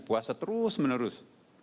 puasa terus menerus